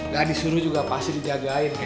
gak disuruh juga pasti dijagain